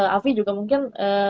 avi juga mungkin